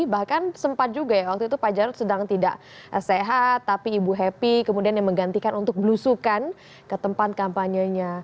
bahkan sempat juga ya waktu itu pak jarod sedang tidak sehat tapi ibu happy kemudian yang menggantikan untuk belusukan ke tempat kampanyenya